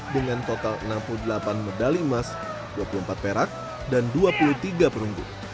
dengan total enam puluh delapan medali emas dua puluh empat perak dan dua puluh tiga perunggu